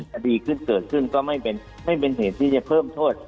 คดีขึ้นเกิดขึ้นก็ไม่เป็นเหตุที่จะเพิ่มโทษ